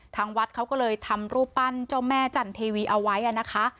ทางวัดเขาก็เลยทำรูปปั้นเจ้าแม่จันเทวีเอาไว้นะคะ